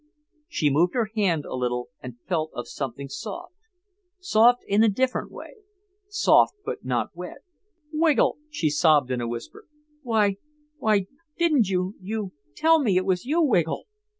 She moved her hand a little and felt of something soft—soft in a different way. Soft but not wet. "Wiggle," she sobbed in a whisper; "why—why—didn't you—you—tell me it was you—Wiggle?"